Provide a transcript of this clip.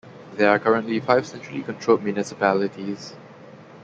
There are currently five centrally controlled municipalities.